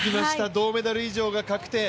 銅メダル以上が確定。